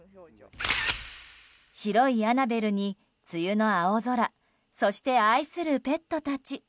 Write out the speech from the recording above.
白いアナベルに、梅雨の青空そして、愛するペットたち。